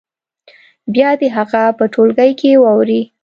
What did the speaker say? بیا دې هغه په ټولګي کې واوروي.